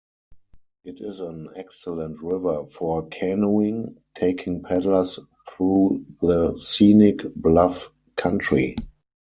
It is an excellent river for canoeing, taking paddlers through the scenic bluff country.